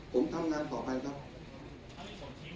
คุณท่านหวังว่าประชาธิบัติไม่ชอบมาตรา๔๔